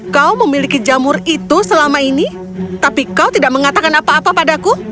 kau memiliki jamur itu selama ini tapi kau tidak mengatakan apa apa padaku